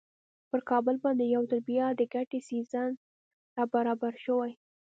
پر کابل باندې یو ځل بیا د ګټې سیزن را برابر شوی.